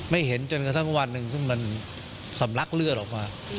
เห็นจนกระทั่งวันหนึ่งซึ่งมันสำลักเลือดออกมา